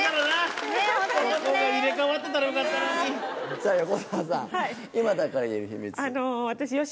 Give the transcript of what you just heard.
さぁ横澤さん「今だから言える秘密」。